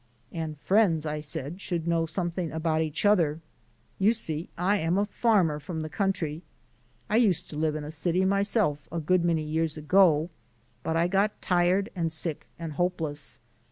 "And friends," I said, "should know something about each other. You see I am a farmer from the country. I used to live in a city myself, a good many years ago, but I got tired and sick and hopeless.